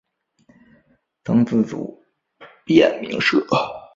曾自组燕鸣社。